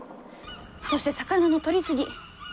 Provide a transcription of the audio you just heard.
そして魚の取り過ぎ！